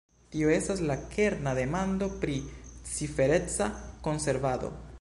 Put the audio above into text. Tio estas la kerna demando pri cifereca konservado.